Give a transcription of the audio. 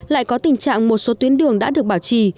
lại có tình trạng một số tuyến đường đã được bảo trì